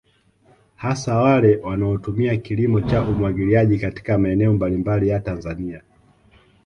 Hasa wale wanaotumia kilimo cha umwagiliaji katika maeneo mbalimbali ya Tanzania